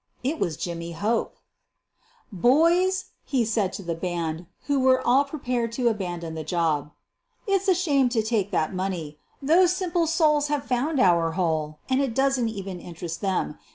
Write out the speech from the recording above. It was Jimmy Hope ! "Boys," be said to the band, who were all pre pared to abandon the job, "it's a shame to take that money. Those simple souls have found our hole and it doesn 't even interest them.